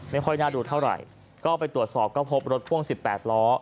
ไม่ค่อยน่าดูเท่าไหร่ก็ไปตรวจสอบก็พบรถพ่วง๑๘ล้อ